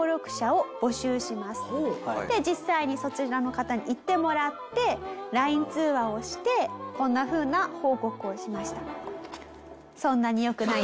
実際にそちらの方に行ってもらってＬＩＮＥ通話をしてこんなふうな報告をしました。